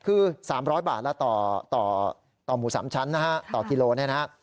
คือ๓๐๐บาทละต่อหมู๓ชั้นนะฮะต่อกิโลเนี่ยนะฮะ